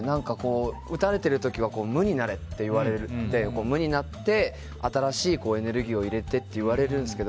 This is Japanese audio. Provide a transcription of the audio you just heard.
打たれている時は無になれって言われて、無になって新しいエネルギーを入れてって言われるんですけど。